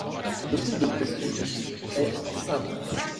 Le style de Priscus est simple.